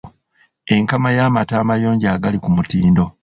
Enkama y’amata amayonjo agali ku mutindo.